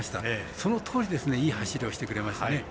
そのとおりいい走りをしてくれましたね。